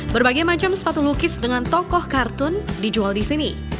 berbagai macam sepatu lukis dengan tokoh kartun dijual di sini